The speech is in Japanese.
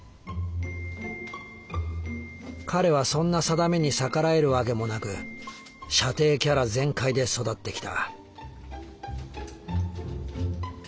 「彼はそんな宿命に逆らえるわけもなく舎弟キャラ全開で育ってきた」。